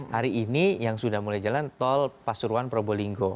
hari ini yang sudah mulai jalan tol pasuruan probolinggo